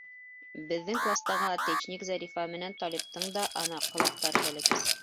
Беҙҙең кластагы отличник Зарифа менән Талиптың да ана колактары бәләкәс.